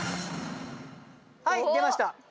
はい出ました